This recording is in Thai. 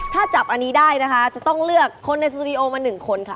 ถ้าจับอันนี้ได้นะคะจะต้องเลือกคนในสตูดิโอมา๑คนค่ะ